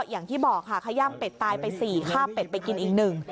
อย่างที่บอกค่ะขย่างเป็ดตายไปสี่ฆ่าเป็ดไปกินอีกหนึ่ง